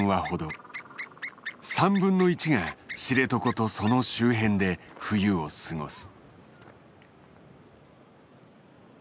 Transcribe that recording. ３分の１が知床とその周辺で冬を過ごす。